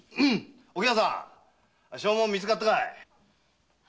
お喜和さん証文は見つかったかい？